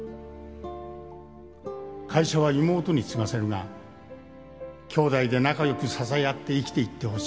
「会社は妹に継がせるが姉妹で仲良く支え合って生きていってほしい」